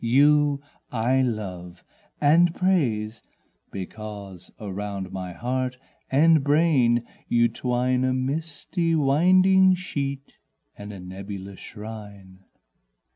you I love and praise, Because around my heart and brain you twine A misty winding sheet and a nebulous shrine.